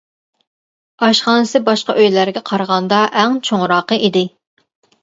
ئاشخانىسى باشقا ئۆيلەرگە قارىغاندا ئەڭ چوڭراقى ئىدى.